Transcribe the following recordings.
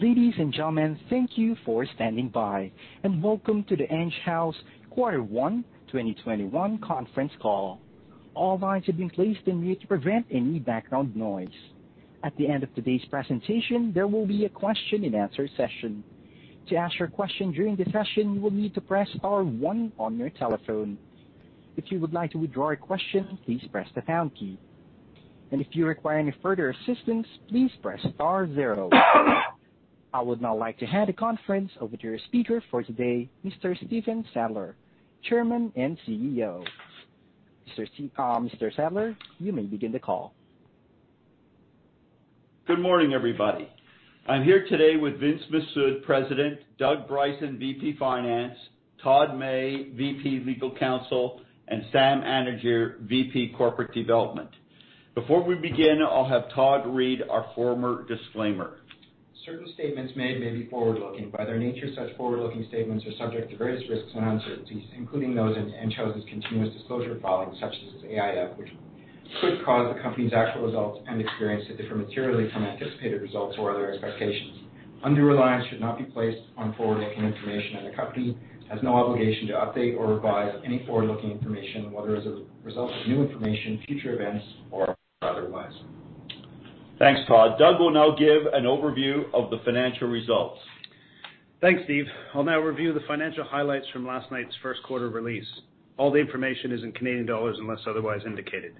Ladies and gentlemen, thank you for standing by, welcome to the Enghouse quarter one 2021 conference call. All lines have been placed in mute to prevent any background noise. At the end of today's presentation, there will be a question-and-answer session. To ask your question during the session, you will need to press star one on your telephone. If you would like to withdraw a question, please press the pound key, and if you require any further assistance, please press star zero. I would now like to hand the conference over to your speaker for today, Mr. Stephen Sadler, Chairman and CEO. Mr. Sadler, you may begin the call. Good morning, everybody. I'm here today with Vince Mifsud, President, Doug Bryson, VP Finance, Todd May, VP Legal Counsel, and Sam Anidjar, VP Corporate Development. Before we begin, I'll have Todd read our forward disclaimer. Certain statements made may be forward-looking. By their nature, such forward-looking statements are subject to various risks and uncertainties, including those in Enghouse's continuous disclosure filings, such as its AIF, which could cause the company's actual results and experience to differ materially from anticipated results or other expectations. Undue reliance should not be placed on forward-looking information, and the company has no obligation to update or revise any forward-looking information, whether as a result of new information, future events, or otherwise. Thanks, Todd. Doug will now give an overview of the financial results. Thanks, Steve. I'll now review the financial highlights from last night's first quarter release. All the information is in Canadian dollars unless otherwise indicated.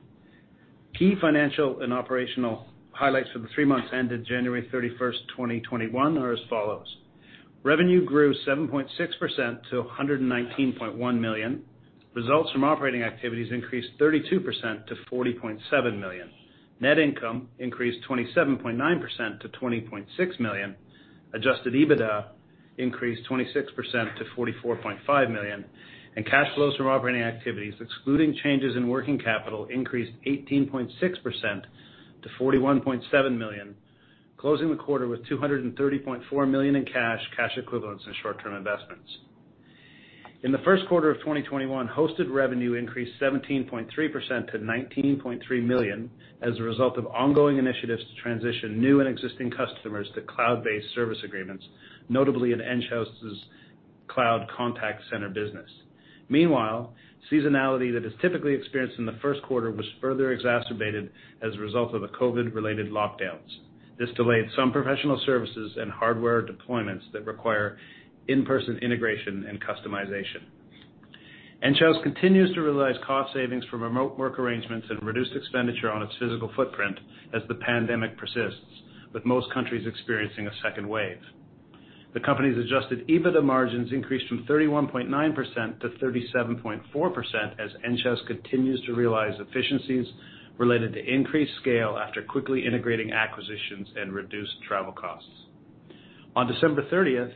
Key financial and operational highlights for the three months ended January 31st, 2021 are as follows. Revenue grew 7.6% to 119.1 million. Results from operating activities increased 32% to 40.7 million. Net income increased 27.9% to 20.6 million. Adjusted EBITDA increased 26% to 44.5 million, and cash flows from operating activities, excluding changes in working capital, increased 18.6% to 41.7 million, closing the quarter with 230.4 million in cash equivalents, and short-term investments. In the first quarter of 2021, hosted revenue increased 17.3% to 19.3 million as a result of ongoing initiatives to transition new and existing customers to cloud-based service agreements, notably in Enghouse's Cloud Contact Center business. Meanwhile, seasonality that is typically experienced in the first quarter was further exacerbated as a result of the COVID-related lockdowns. This delayed some professional services and hardware deployments that require in-person integration and customization. Enghouse continues to realize cost savings from remote work arrangements and reduced expenditure on its physical footprint as the pandemic persists, with most countries experiencing a second wave. The company's adjusted EBITDA margins increased from 31.9% to 37.4% as Enghouse continues to realize efficiencies related to increased scale after quickly integrating acquisitions and reduced travel costs. On December 30th,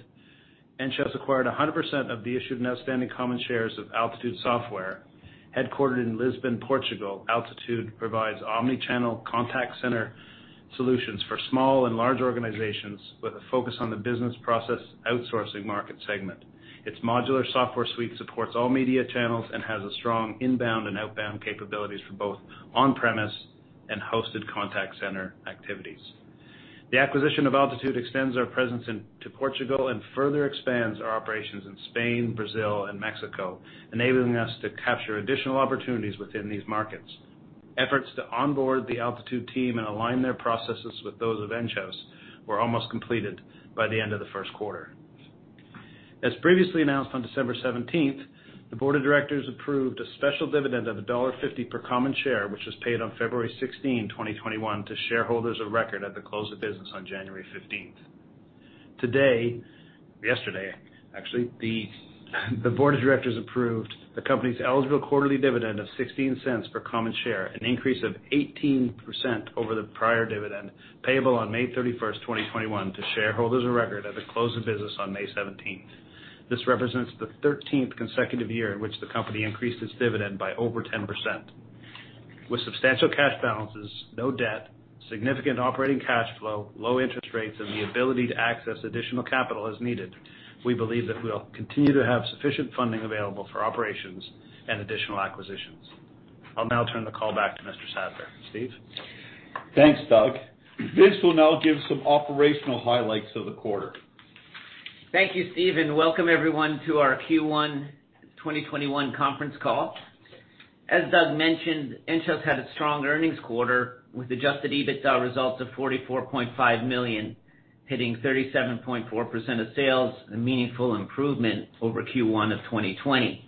Enghouse acquired 100% of the issued and outstanding common shares of Altitude Software. Headquartered in Lisbon, Portugal, Altitude provides omni-channel contact center solutions for small and large organizations with a focus on the business process outsourcing market segment. Its modular software suite supports all media channels and has a strong inbound and outbound capabilities for both on-premise and hosted contact center activities. The acquisition of Altitude extends our presence to Portugal and further expands our operations in Spain, Brazil, and Mexico, enabling us to capture additional opportunities within these markets. Efforts to onboard the Altitude team and align their processes with those of Enghouse were almost completed by the end of the first quarter. As previously announced on December 17th, the board of directors approved a special dividend of dollar 1.50 per common share, which was paid on February 16, 2021, to shareholders of record at the close of business on January 15th. Yesterday, actually, the board of directors approved the company's eligible quarterly dividend of 0.16 per common share, an increase of 18% over the prior dividend, payable on May 31st, 2021, to shareholders of record at the close of business on May 17th. This represents the 13th consecutive year in which the company increased its dividend by over 10%. With substantial cash balances, no debt, significant operating cash flow, low interest rates, and the ability to access additional capital as needed, we believe that we'll continue to have sufficient funding available for operations and additional acquisitions. I'll now turn the call back to Mr. Sadler. Steve? Thanks, Doug. Vince will now give some operational highlights of the quarter. Thank you, Steve, and welcome everyone to our Q1 2021 conference call. As Doug mentioned, Enghouse had a strong earnings quarter with adjusted EBITDA results of 44.5 million, hitting 37.4% of sales, a meaningful improvement over Q1 of 2020.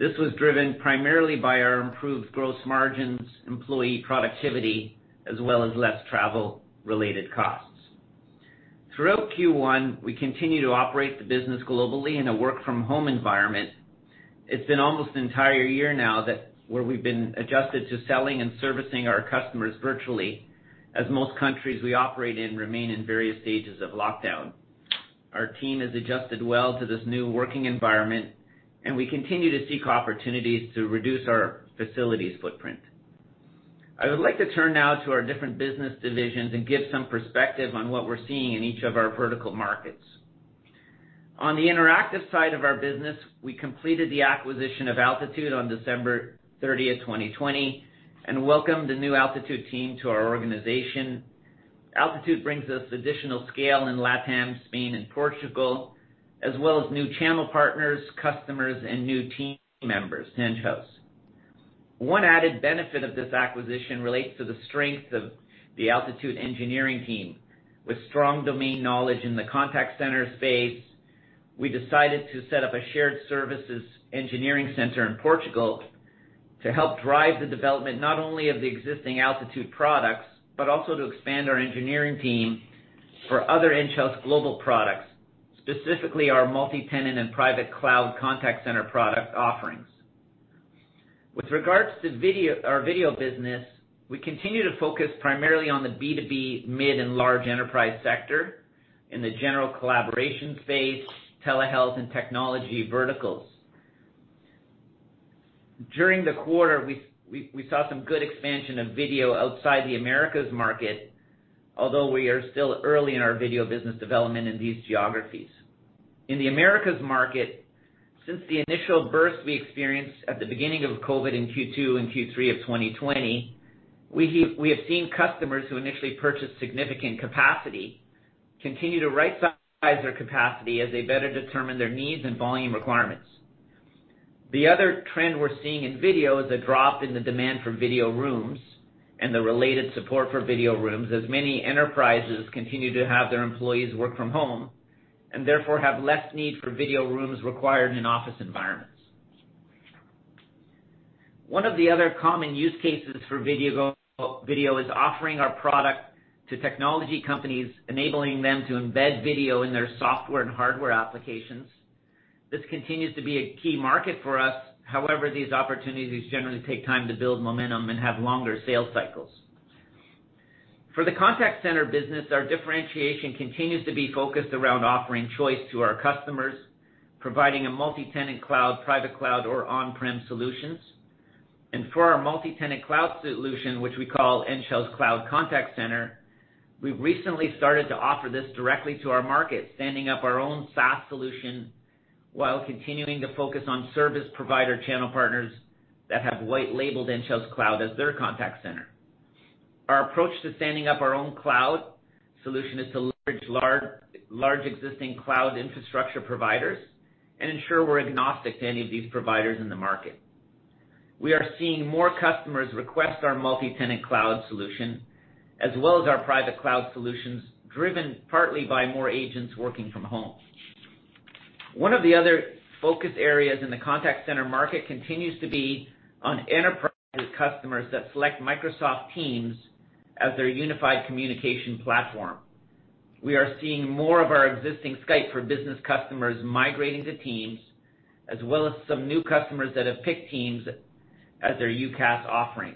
This was driven primarily by our improved gross margins, employee productivity, as well as less travel-related costs. Throughout Q1, we continued to operate the business globally in a work-from-home environment. It's been almost an entire year now where we've been adjusted to selling and servicing our customers virtually, as most countries we operate in remain in various stages of lockdown. Our team has adjusted well to this new working environment, and we continue to seek opportunities to reduce our facilities footprint. I would like to turn now to our different business divisions and give some perspective on what we're seeing in each of our vertical markets. On the interactive side of our business, we completed the acquisition of Altitude on December 30th, 2020, and welcomed the new Altitude team to our organization. Altitude brings us additional scale in LATAM, Spain, and Portugal, as well as new channel partners, customers, and new team members, Enghouse. One added benefit of this acquisition relates to the strength of the Altitude engineering team. With strong domain knowledge in the contact center space, we decided to set up a shared services engineering center in Portugal to help drive the development not only of the existing Altitude products, but also to expand our engineering team for other Enghouse global products, specifically our multi-tenant and private cloud contact center product offerings. With regards to our video business, we continue to focus primarily on the B2B mid and large enterprise sector in the general collaboration space, telehealth, and technology verticals. During the quarter, we saw some good expansion of video outside the Americas market, although we are still early in our video business development in these geographies. In the Americas market, since the initial burst we experienced at the beginning of COVID in Q2 and Q3 of 2020, we have seen customers who initially purchased significant capacity continue to right-size their capacity as they better determine their needs and volume requirements. The other trend we're seeing in video is a drop in the demand for video rooms, and the related support for video rooms, as many enterprises continue to have their employees work from home, and therefore have less need for video rooms required in office environments. One of the other common use cases for video is offering our product to technology companies, enabling them to embed video in their software and hardware applications. This continues to be a key market for us. However, these opportunities generally take time to build momentum and have longer sales cycles. For the contact center business, our differentiation continues to be focused around offering choice to our customers, providing a multi-tenant cloud, private cloud, or on-prem solutions. For our multi-tenant cloud solution, which we call Enghouse Cloud Contact Center, we've recently started to offer this directly to our market, standing up our own SaaS solution while continuing to focus on service provider channel partners that have white labeled Enghouse cloud as their contact center. Our approach to standing up our own cloud solution is to leverage large existing cloud infrastructure providers and ensure we're agnostic to any of these providers in the market. We are seeing more customers request our multi-tenant cloud solution, as well as our private cloud solutions, driven partly by more agents working from home. One of the other focus areas in the contact center market continues to be on enterprise customers that select Microsoft Teams as their unified communication platform. We are seeing more of our existing Skype for Business customers migrating to Teams, as well as some new customers that have picked Teams as their UCaaS offering.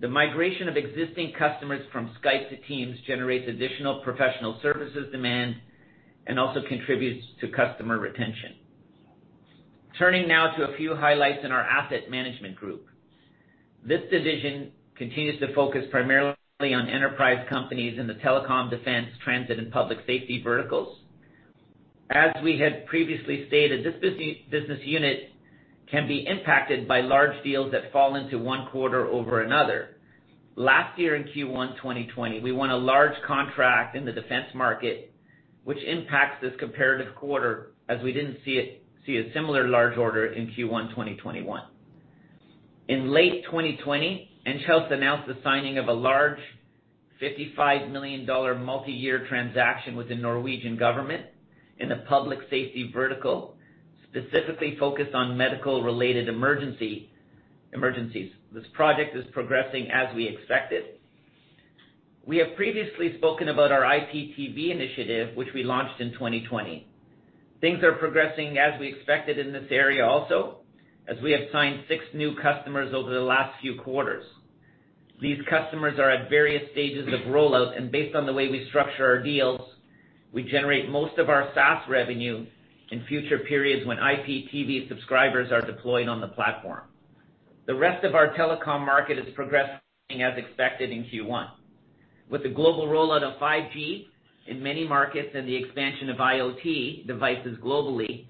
The migration of existing customers from Skype to Teams generates additional professional services demand and also contributes to customer retention. Turning now to a few highlights in our asset management group. This division continues to focus primarily on enterprise companies in the telecom, defense, transit, and public safety verticals. As we had previously stated, this business unit can be impacted by large deals that fall into one quarter over another. Last year, in Q1 2020, we won a large contract in the defense market, which impacts this comparative quarter as we didn't see a similar large order in Q1 2021. In late 2020, Enghouse announced the signing of a large 55 million dollar multi-year transaction with the Norwegian government in the public safety vertical, specifically focused on medical-related emergencies. This project is progressing as we expected. We have previously spoken about our IPTV initiative, which we launched in 2020. Things are progressing as we expected in this area also, as we have signed six new customers over the last few quarters. These customers are at various stages of rollout, and based on the way we structure our deals, we generate most of our SaaS revenue in future periods when IPTV subscribers are deployed on the platform. The rest of our telecom market is progressing as expected in Q1. With the global rollout of 5G in many markets and the expansion of IoT devices globally,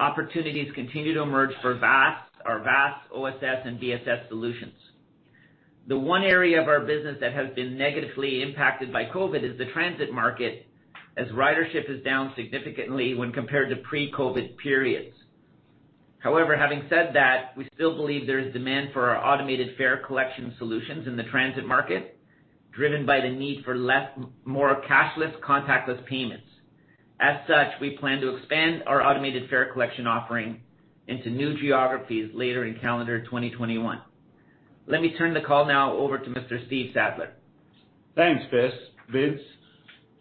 opportunities continue to emerge for our vast OSS and BSS solutions. The one area of our business that has been negatively impacted by COVID is the transit market, as ridership is down significantly when compared to pre-COVID periods. However, having said that, we still believe there is demand for our automated fare collection solutions in the transit market, driven by the need for more cashless, contactless payments. As such, we plan to expand our automated fare collection offering into new geographies later in calendar 2021. Let me turn the call now over to Mr. Steve Sadler. Thanks, Vince.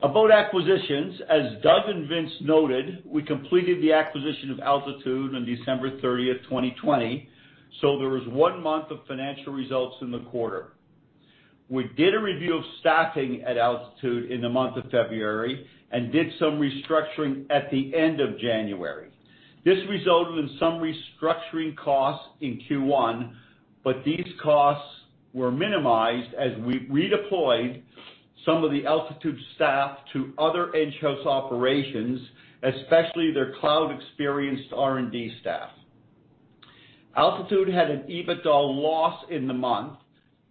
About acquisitions, as Doug and Vince noted, we completed the acquisition of Altitude on December 30th, 2020, there was one month of financial results in the quarter. We did a review of staffing at Altitude in the month of February and did some restructuring at the end of January. This resulted in some restructuring costs in Q1, these costs were minimized as we redeployed some of the Altitude staff to other Enghouse operations, especially their cloud-experienced R&D staff. Altitude had an EBITDA loss in the month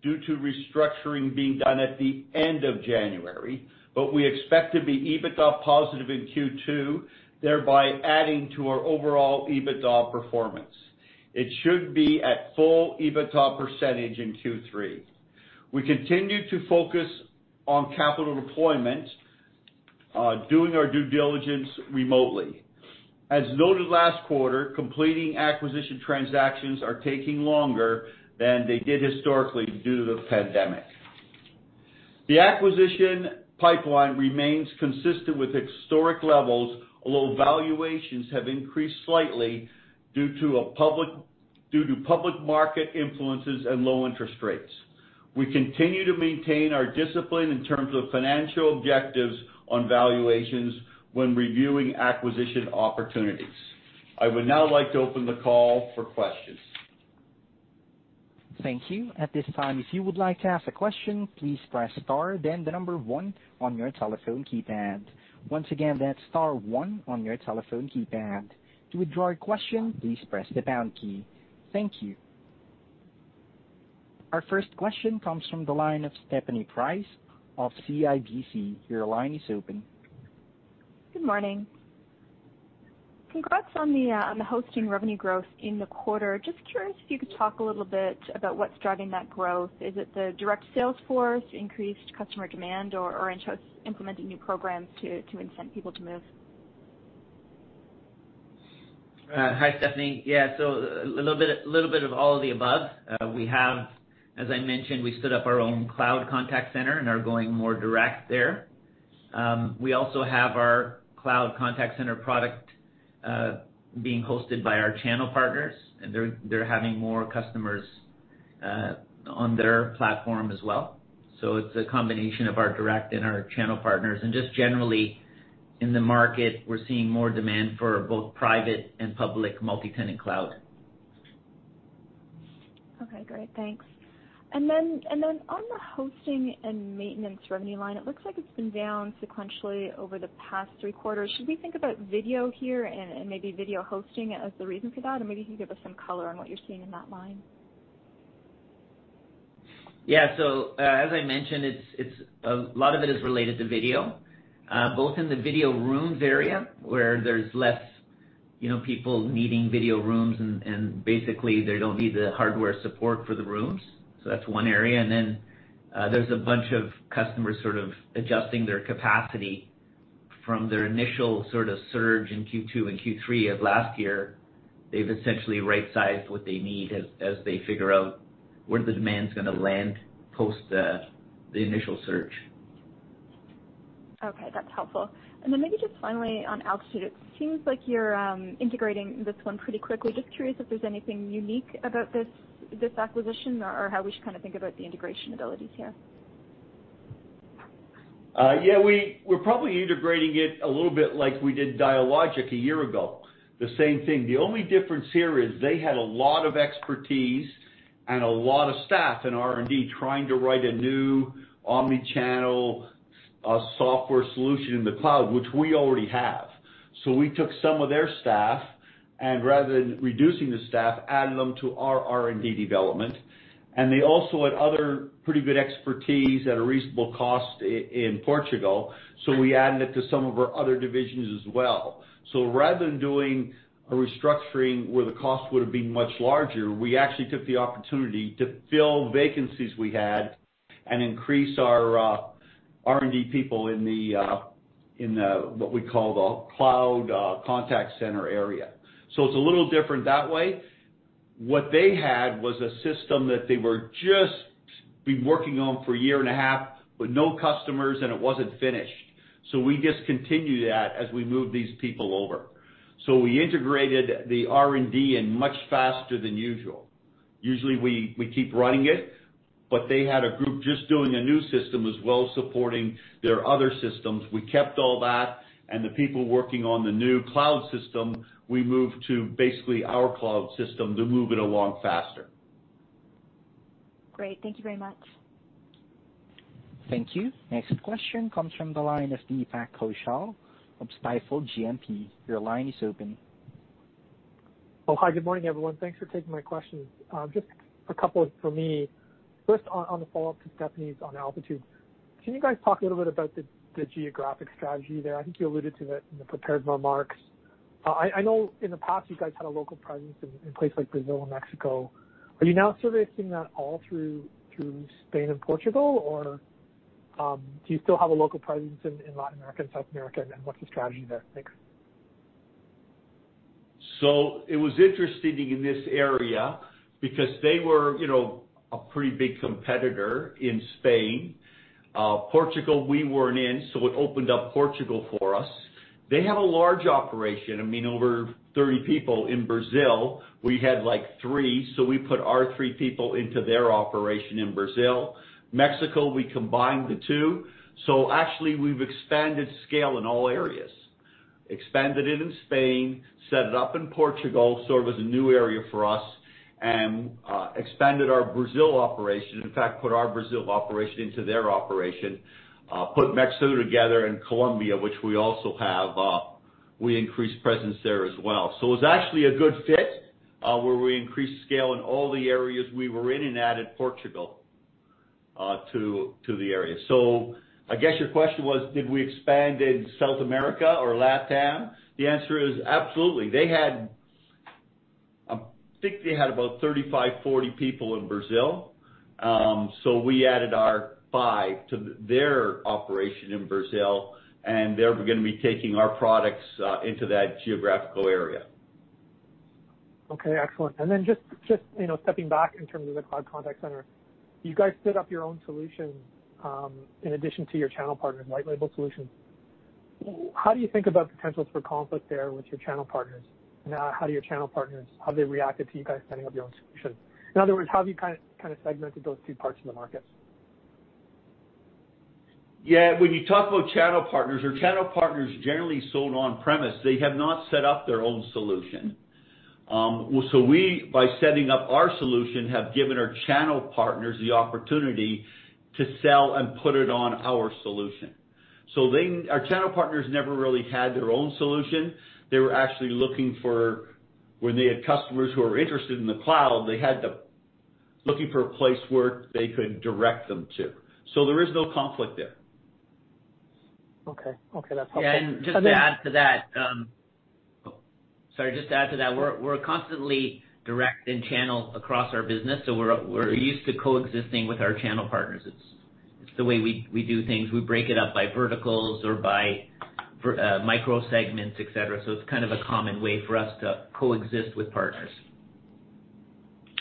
due to restructuring being done at the end of January, we expect to be EBITDA positive in Q2, thereby adding to our overall EBITDA performance. It should be at full EBITDA percentage in Q3. We continue to focus on capital deployment, doing our due diligence remotely. As noted last quarter, completing acquisition transactions are taking longer than they did historically due to the pandemic. The acquisition pipeline remains consistent with historic levels, although valuations have increased slightly due to public market influences and low interest rates. We continue to maintain our discipline in terms of financial objectives on valuations when reviewing acquisition opportunities. I would now like to open the call for questions. Thank you. At this time, if you would like to ask a question, please press star then the number one on your telephone keypad. Once again, that's star one on your telephone keypad. To withdraw your question, please press the pound key. Thank you. Our first question comes from the line of Stephanie Price of CIBC. Your line is open. Good morning. Congrats on the hosting revenue growth in the quarter. Just curious if you could talk a little bit about what's driving that growth. Is it the direct sales force, increased customer demand, or Enghouse implementing new programs to incent people to move? Hi, Stephanie. Yeah, a little bit of all of the above. As I mentioned, we stood up our own cloud contact center and are going more direct there. We also have our cloud contact center product being hosted by our channel partners. They're having more customers on their platform as well. It's a combination of our direct and our channel partners. Just generally in the market, we're seeing more demand for both private and public multi-tenant cloud. Okay, great. Thanks. On the hosting and maintenance revenue line, it looks like it's been down sequentially over the past three quarters. Should we think about video here and maybe video hosting as the reason for that? Maybe you can give us some color on what you're seeing in that line. Yeah. As I mentioned, a lot of it is related to video, both in the video rooms area, where there's less people needing video rooms, and basically they don't need the hardware support for the rooms. That's one area. There's a bunch of customers sort of adjusting their capacity from their initial sort of surge in Q2 and Q3 of last year. They've essentially right-sized what they need as they figure out where the demand's going to land post the initial surge. Okay, that's helpful. Maybe just finally on Altitude. It seems like you're integrating this one pretty quickly. Just curious if there's anything unique about this acquisition or how we should kind of think about the integration abilities here. Yeah, we're probably integrating it a little bit like we did Dialogic a year ago. The same thing. The only difference here is they had a lot of expertise and a lot of staff in R&D trying to write a new omni-channel software solution in the cloud, which we already have. We took some of their staff, and rather than reducing the staff, adding them to our R&D development. They also had other pretty good expertise at a reasonable cost in Portugal, we added it to some of our other divisions as well. Rather than doing a restructuring where the cost would've been much larger, we actually took the opportunity to fill vacancies we had and increase our R&D people in the, what we call the cloud contact center area. It's a little different that way. What they had was a system that they were just been working on for a year and a half with no customers, and it wasn't finished. We just continued that as we moved these people over. We integrated the R&D in much faster than usual. Usually we keep running it, but they had a group just doing a new system as well as supporting their other systems. We kept all that, and the people working on the new cloud system, we moved to basically our cloud system to move it along faster. Great. Thank you very much. Thank you. Next question comes from the line of Deepak Kaushal from Stifel GMP. Your line is open. Oh, hi. Good morning, everyone. Thanks for taking my questions. Just a couple for me. First, on the follow-up to Stephanie's on Altitude. Can you guys talk a little bit about the geographic strategy there? I think you alluded to it in the prepared remarks. I know in the past you guys had a local presence in places like Brazil and Mexico. Are you now servicing that all through Spain and Portugal, or do you still have a local presence in Latin America and South America, and what's the strategy there? Thanks. It was interesting in this area because they were a pretty big competitor in Spain. Portugal, we weren't in, it opened up Portugal for us. They have a large operation. I mean, over 30 people in Brazil. We had, like, three, we put our three people into their operation in Brazil. Mexico, we combined the two. Actually, we've expanded scale in all areas. Expanded it in Spain, set it up in Portugal, it was a new area for us, and expanded our Brazil operation. In fact, put our Brazil operation into their operation. Put Mexico together and Colombia, which we also have. We increased presence there as well. It was actually a good fit, where we increased scale in all the areas we were in and added Portugal to the area. I guess your question was, did we expand in South America or LatAm? The answer is absolutely. I think they had about 35, 40 people in Brazil. We added our five to their operation in Brazil, and they're going to be taking our products into that geographical area. Okay, excellent. Just stepping back in terms of the cloud contact center, you guys set up your own solution, in addition to your channel partners, white label solutions. How do you think about potentials for conflict there with your channel partners? Now, how have they reacted to you guys setting up your own solution? In other words, how have you kind of segmented those two parts in the market? Yeah. When you talk about channel partners, our channel partners generally sold on-premise. They have not set up their own solution. We, by setting up our solution, have given our channel partners the opportunity to sell and put it on our solution. Our channel partners never really had their own solution. They were actually looking for when they had customers who were interested in the cloud, they had them looking for a place where they could direct them to. There is no conflict there. Okay. That's helpful. Yeah, just to add to that. Sorry, just to add to that, we're constantly direct in channel across our business, so we're used to coexisting with our channel partners. It's the way we do things. We break it up by verticals or by micro segments, et cetera. It's kind of a common way for us to coexist with partners.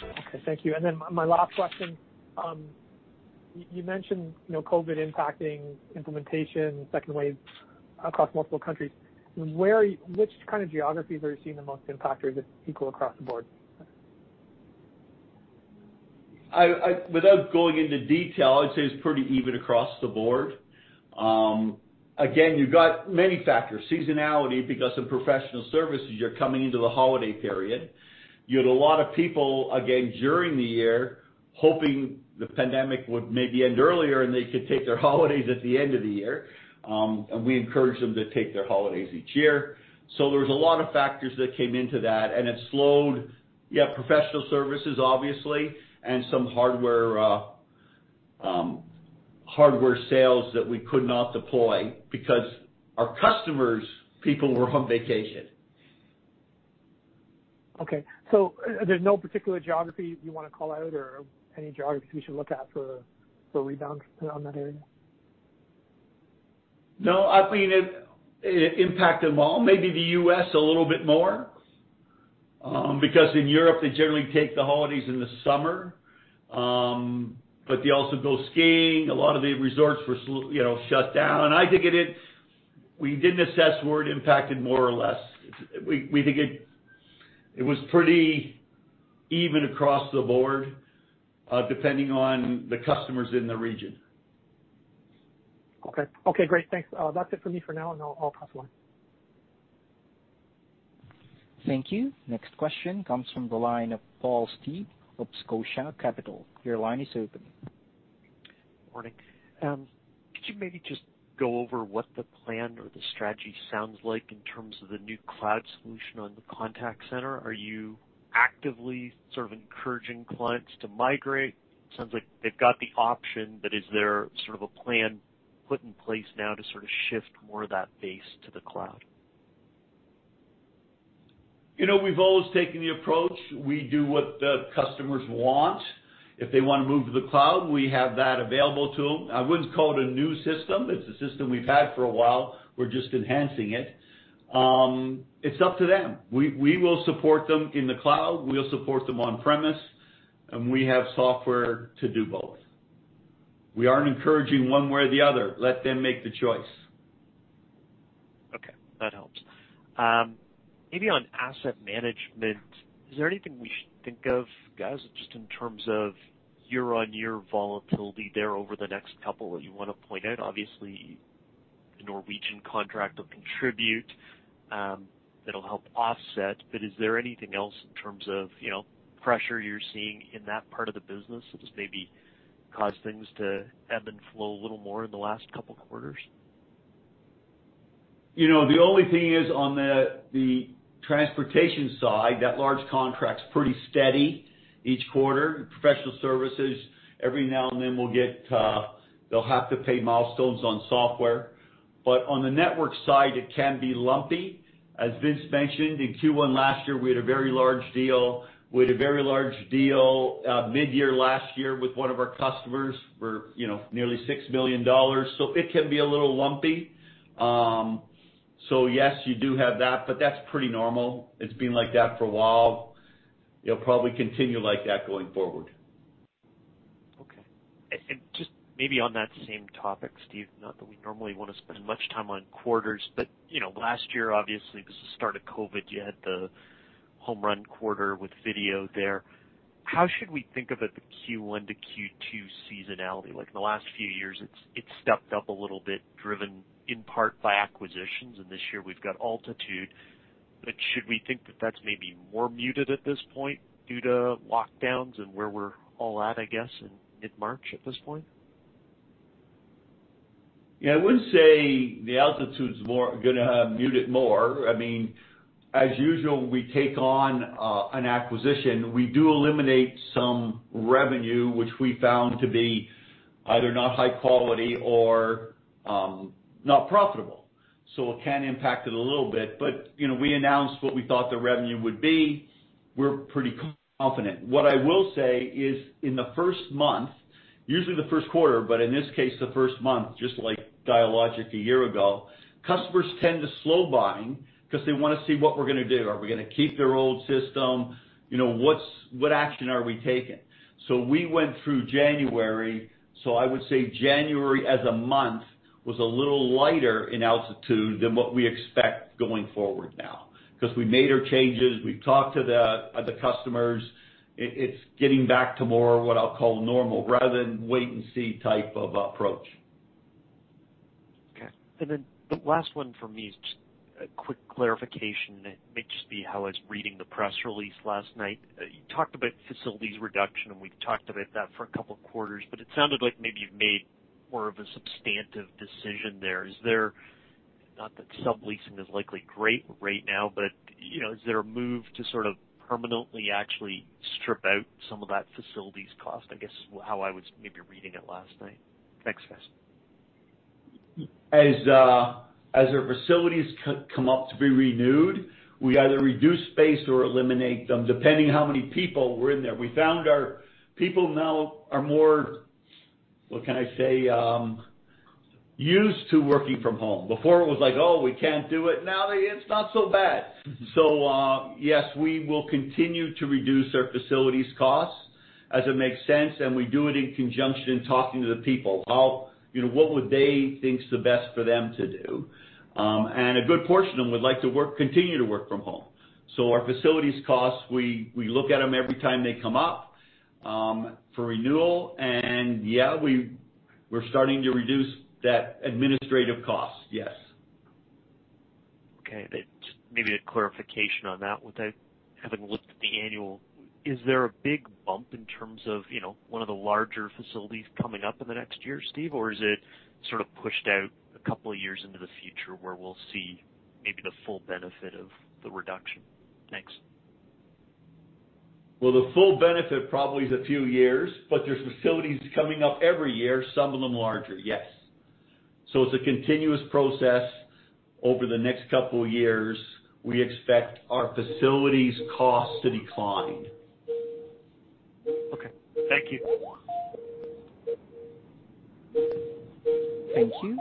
Okay, thank you. My last question. You mentioned COVID impacting implementation, second wave across multiple countries. Which kind of geographies are you seeing the most impacted or is it equal across the board? Without going into detail, I'd say it's pretty even across the board. Again, you've got many factors. Seasonality, because in professional services, you're coming into the holiday period. You had a lot of people, again, during the year, hoping the pandemic would maybe end earlier, and they could take their holidays at the end of the year. We encourage them to take their holidays each year. There was a lot of factors that came into that, and it slowed, yeah, professional services, obviously, and some hardware sales that we could not deploy because our customers' people were on vacation. Okay, there's no particular geography you want to call out, or any geography we should look at for a rebound on that area? No, I mean, it impacted them all. Maybe the U.S. a little bit more. In Europe, they generally take the holidays in the summer. They also go skiing. A lot of the resorts were shut down. We didn't assess where it impacted more or less. We think it was pretty even across the board, depending on the customers in the region. Okay. Great. Thanks. That's it for me for now, and I'll pass the line. Thank you. Next question comes from the line of Paul Steep of Scotia Capital. Your line is open. Morning. Could you maybe just go over what the plan or the strategy sounds like in terms of the new cloud solution on the contact center? Are you actively sort of encouraging clients to migrate? Sounds like they've got the option, but is there sort of a plan put in place now to sort of shift more of that base to the cloud? We've always taken the approach, we do what the customers want. If they want to move to the cloud, we have that available to them. I wouldn't call it a new system. It's a system we've had for a while. We're just enhancing it. It's up to them. We will support them in the cloud. We'll support them on-premise, and we have software to do both. We aren't encouraging one way or the other. Let them make the choice. Okay. That helps. Maybe on asset management, is there anything we should think of, guys, just in terms of year-on-year volatility there over the next two that you want to point out? Obviously, the Norwegian contract will contribute. It'll help offset, but is there anything else in terms of pressure you're seeing in that part of the business that has maybe caused things to ebb and flow a little more in the last two quarters? The only thing is on the transportation side, that large contract's pretty steady each quarter. Professional services, every now and then, they'll have to pay milestones on software. On the network side, it can be lumpy. As Vince mentioned, in Q1 last year, we had a very large deal. We had a very large deal mid-year last year with one of our customers for nearly 6 million dollars. It can be a little lumpy. Yes, you do have that, but that's pretty normal. It's been like that for a while. It'll probably continue like that going forward. Just maybe on that same topic, Steve, not that we normally want to spend much time on quarters, but last year, obviously, was the start of COVID. You had the home run quarter with video there. How should we think about the Q1 to Q2 seasonality? In the last few years, it's stepped up a little bit, driven in part by acquisitions, and this year we've got Altitude. Should we think that that's maybe more muted at this point due to lockdowns and where we're all at, I guess, in mid-March at this point? Yeah. I wouldn't say the Altitude's going to mute it more. As usual, when we take on an acquisition, we do eliminate some revenue which we found to be either not high quality or not profitable. It can impact it a little bit. We announced what we thought the revenue would be. We're pretty confident. What I will say is in the first month, usually the first quarter, but in this case, the first month, just like Dialogic a year ago, customers tend to slow buying because they want to see what we're going to do. Are we going to keep their old system? What action are we taking? We went through January, so I would say January as a month was a little lighter in Altitude than what we expect going forward now. We made our changes, we've talked to the customers. It's getting back to more what I'll call normal rather than wait and see type of approach. Okay. Then the last one for me is just a quick clarification. It may just be how I was reading the press release last night. You talked about facilities reduction, and we've talked about that for a couple of quarters, but it sounded like maybe you've made more of a substantive decision there. Not that subleasing is likely great right now, but is there a move to sort of permanently actually strip out some of that facilities cost, I guess, how I was maybe reading it last night? Thanks, guys. As our facilities come up to be renewed, we either reduce space or eliminate them, depending how many people were in there. We found our people now are more, what can I say, used to working from home. Before it was like, Oh, we can't do it. Now it's not so bad. Yes, we will continue to reduce our facilities costs as it makes sense, and we do it in conjunction, talking to the people. What would they think is the best for them to do? A good portion of them would like to continue to work from home. Our facilities costs, we look at them every time they come up for renewal. Yeah, we're starting to reduce that administrative cost, yes. Maybe a clarification on that one, having looked at the annual. Is there a big bump in terms of one of the larger facilities coming up in the next year, Steve? Or is it sort of pushed out a couple of years into the future where we'll see maybe the full benefit of the reduction? Thanks. The full benefit probably is a few years, but there's facilities coming up every year, some of them larger, yes. It's a continuous process over the next couple of years. We expect our facilities cost to decline. Okay. Thank you. Thank you.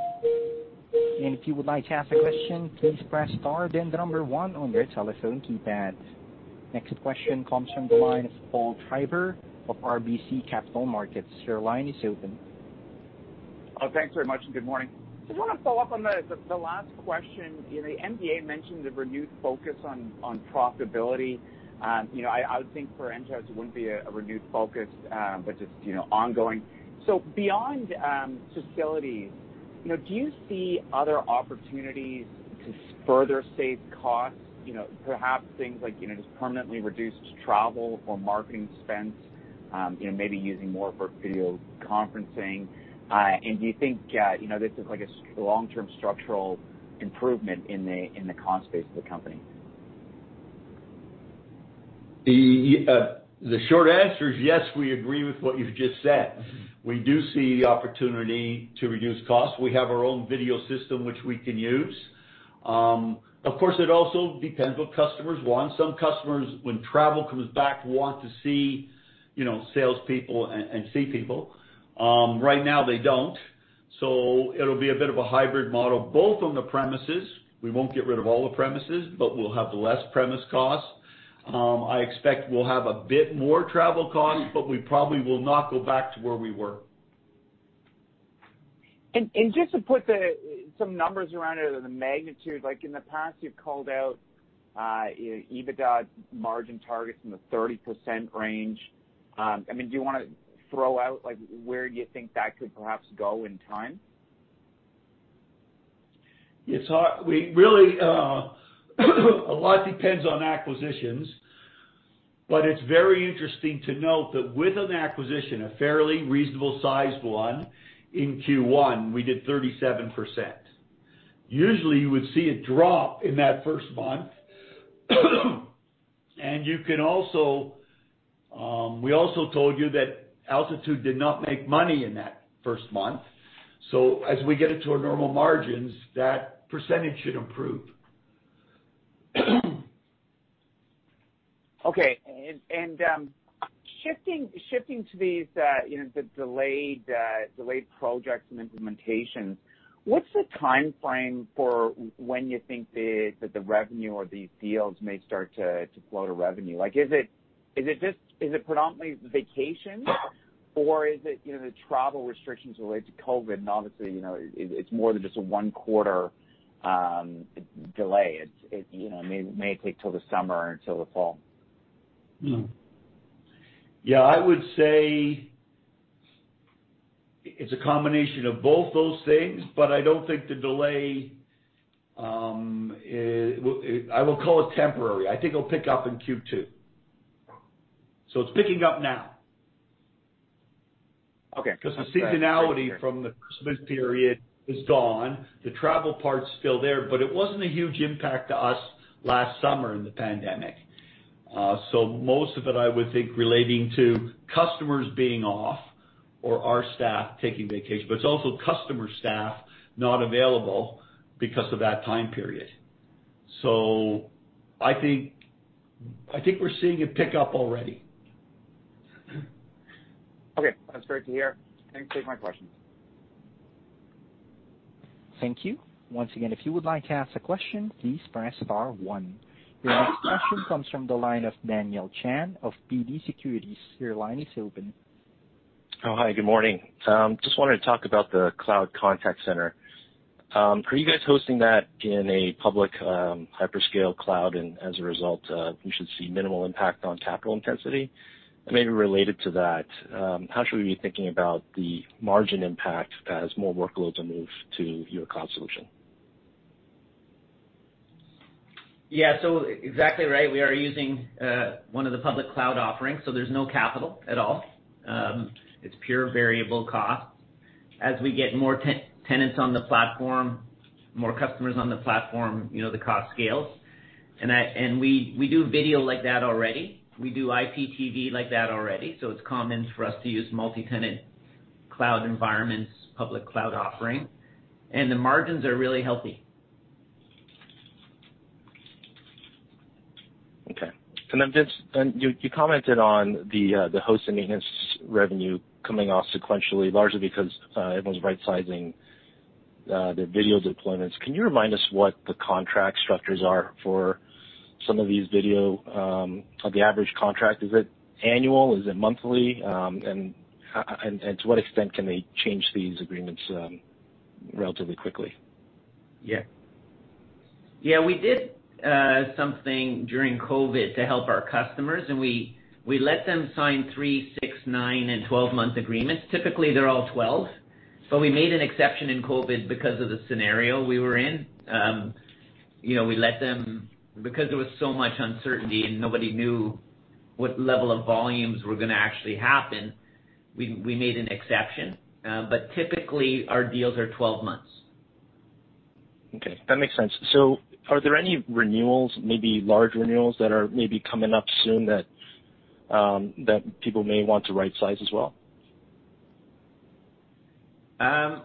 Next question comes from the line of Paul Treiber of RBC Capital Markets. Oh, thanks very much. Good morning. Just want to follow up on the last question. The MD&A mentioned the renewed focus on profitability. I would think for Enghouse it wouldn't be a renewed focus, but just ongoing. Beyond facilities, do you see other opportunities to further save costs? Perhaps things like just permanently reduced travel or marketing spends, maybe using more for video conferencing. Do you think this is like a long-term structural improvement in the cost base of the company? The short answer is yes, we agree with what you've just said. We do see the opportunity to reduce costs. We have our own video system which we can use. Of course, it also depends what customers want. Some customers, when travel comes back, want to see salespeople and see people. Right now they don't. It'll be a bit of a hybrid model, both on the premises. We won't get rid of all the premises, but we'll have less premise costs. I expect we'll have a bit more travel costs, but we probably will not go back to where we were. Just to put some numbers around it or the magnitude, like in the past, you've called out EBITDA margin targets in the 30% range. Do you want to throw out where you think that could perhaps go in time? A lot depends on acquisitions, but it's very interesting to note that with an acquisition, a fairly reasonable-sized one, in Q1, we did 37%. Usually, you would see a drop in that first month. We also told you that Altitude did not make money in that first month. As we get it to our normal margins, that percentage should improve. Okay. Shifting to the delayed projects and implementations, what's the timeframe for when you think that the revenue or these deals may start to flow to revenue? Is it predominantly vacations or is it the travel restrictions related to COVID? Obviously, it's more than just a one quarter delay. It may take till the summer or until the fall. I would say it's a combination of both those things, but I don't think the delay I will call it temporary. I think it'll pick up in Q2. It's picking up now. Okay. Because the seasonality from the Christmas period is gone. The travel part's still there, but it wasn't a huge impact to us last summer in the pandemic. Most of it, I would think, relating to customers being off or our staff taking vacation, but it's also customer staff not available because of that time period. I think we're seeing it pick up already. Okay. That's great to hear. Thanks. Take my questions. Thank you. Once again, if you would like to ask a question, please press star one. Your next question comes from the line of Daniel Chan of TD Securities. Your line is open. Oh, hi. Good morning. Just wanted to talk about the cloud contact center. Are you guys hosting that in a public hyperscale cloud and as a result, we should see minimal impact on capital intensity? Maybe related to that, how should we be thinking about the margin impact as more workloads are moved to your cloud solution? Yeah. Exactly right. We are using one of the public cloud offerings, so there's no capital at all. It's pure variable cost. As we get more tenants on the platform, more customers on the platform, the cost scales. We do video like that already. We do IPTV like that already. It's common for us to use multi-tenant cloud environments, public cloud offering, and the margins are really healthy. Okay. You commented on the host maintenance revenue coming off sequentially, largely because everyone's right-sizing their video deployments. Can you remind us what the contract structures are for some of these? The average contract, is it annual? Is it monthly? To what extent can they change these agreements relatively quickly? Yeah. We did something during COVID to help our customers, and we let them sign three, six, nine, and 12-month agreements. Typically, they're all 12, but we made an exception in COVID because of the scenario we were in. There was so much uncertainty and nobody knew what level of volumes were going to actually happen, we made an exception. Typically, our deals are 12 months. Okay, that makes sense. Are there any renewals, maybe large renewals, that are maybe coming up soon that people may want to right-size as well?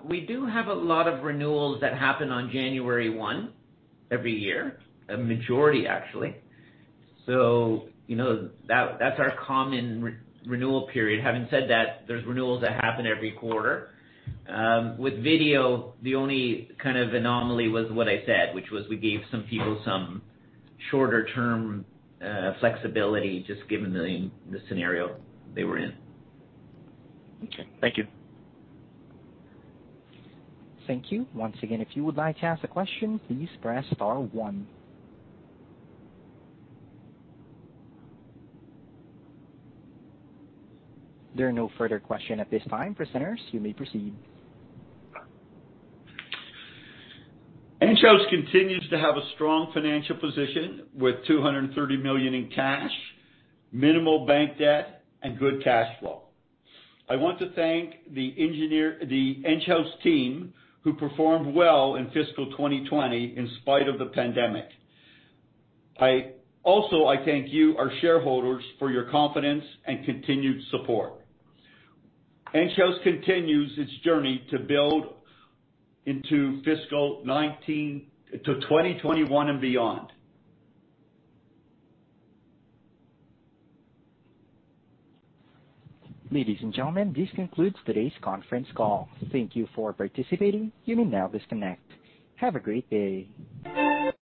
We do have a lot of renewals that happen on January 1 every year. A majority, actually. That's our common renewal period. Having said that, there's renewals that happen every quarter. With video, the only kind of anomaly was what I said, which was we gave some people some shorter term flexibility, just given the scenario they were in. Okay. Thank you. Thank you. On ce again, if you would like to ask a question, please press star one. There are no further question at this time. Presenters, you may proceed. Enghouse continues to have a strong financial position with 230 million in cash, minimal bank debt, and good cash flow. I want to thank the Enghouse team who performed well in fiscal 2020 in spite of the pandemic. I thank you, our shareholders, for your confidence and continued support. Enghouse continues its journey to build into fiscal 2021 and beyond. Ladies and gentlemen, this concludes today's conference call. Thank you for participating. You may now disconnect. Have a great day.